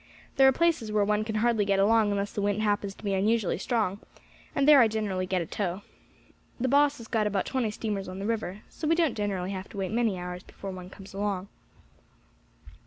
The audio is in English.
There are places where one can hardly get along unless the wind happens to be unusually strong, and there I generally get a tow. The boss has got about twenty steamers on the river, so we don't generally have to wait many hours before one comes along.